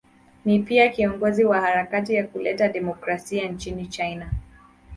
Ni pia kiongozi wa harakati ya kuleta demokrasia nchini China.